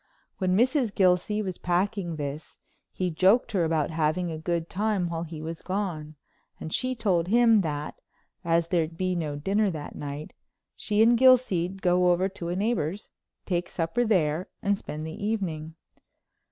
When Mrs. Gilsey was packing this he joked her about having a good time while he was gone, and she told him that, as there'd be no dinner that night, she and Gilsey'd go over to a neighbor's, take supper there and spend the evening.